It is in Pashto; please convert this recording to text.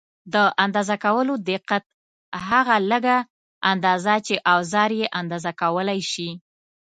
د اندازه کولو دقت: هغه لږه اندازه چې اوزار یې اندازه کولای شي.